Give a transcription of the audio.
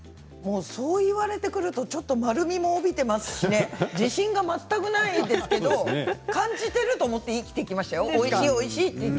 そう言われてくると丸みを帯びていますし自信が全くありませんけれど感じていると思って生きてきました。